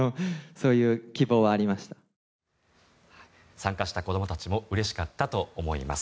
参加した子どもたちもうれしかったと思います。